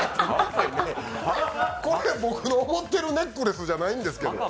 これ、僕の持ってるネックレスじゃないですよ。